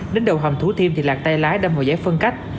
đến đầu hầm thủ thiêm thì lạc tay lái đâm vào giấy phân cách